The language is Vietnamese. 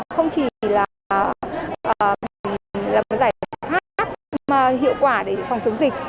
không chỉ là giải pháp mà hiệu quả để phòng chống dịch